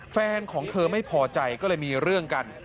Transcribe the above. แฟนของเธอไม่พอใจก็เลยมีเรื่องกัน